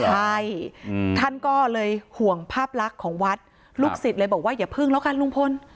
ใช่ท่านก็เลยห่วงภาพลักษณ์ของวัดลูกศิษย์เลยบอกว่าอย่าพึ่งแล้วกันลุงพล